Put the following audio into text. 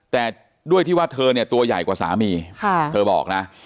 แต่ด้วยที่ว่าเธอเนี่ยตัวใหญ่กว่าสามีเธอบอกนะ